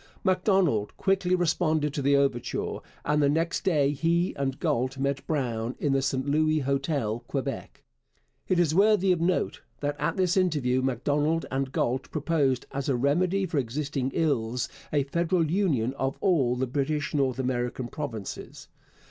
Macdonald quickly responded to the overture, and the next day he and Galt met Brown in the St Louis Hotel, Quebec. It is worthy of note that at this interview Macdonald and Galt proposed, as a remedy for existing ills, a federal union of all the British North American provinces.